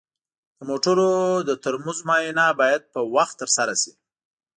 د موټرو د ترمز معاینه باید په وخت ترسره شي.